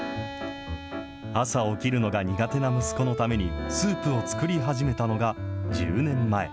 朝起きるのが苦手な息子のために、スープを作り始めたのが１０年前。